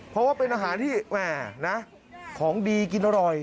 เพราะว่าเป็นอาหารที่แม่นะของดีกินอร่อย